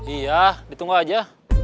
iya ditunggu aja